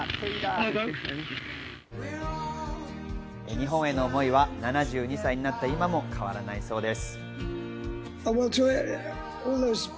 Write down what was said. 日本への思いは７２歳になった今も変わらないそうです。